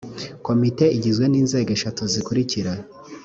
komite igizwe n inzego eshatu zikurikira